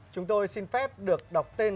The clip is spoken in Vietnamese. chúng tôi xin phép được đọc tên